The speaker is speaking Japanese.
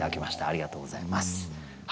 ありがとうございます。